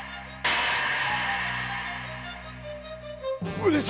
上様！